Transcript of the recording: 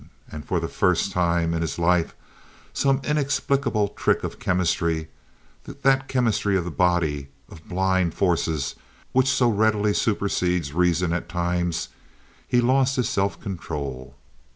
And for the first time in his life, some inexplicable trick of chemistry—that chemistry of the body, of blind forces which so readily supersedes reason at times—he lost his self control.